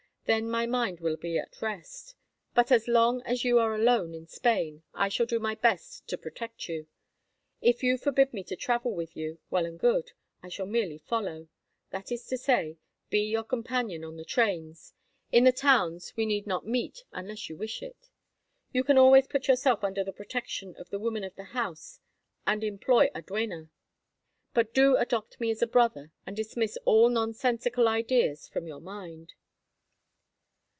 Then my mind will be at rest. But as long as you are alone in Spain I shall do my best to protect you. If you forbid me to travel with you, well and good. I shall merely follow—that is to say, be your companion on the trains. In the towns we need not meet unless you wish it. You can always put yourself under the protection of the woman of the house and employ a duenna. But do adopt me as a brother and dismiss all nonsensical ideas from your mind."